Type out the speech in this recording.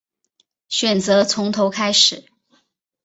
选择从头开始